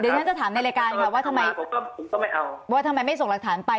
เดี๋ยวฉันจะถามในรายการค่ะว่าทำไมไม่ส่งหลักฐานไป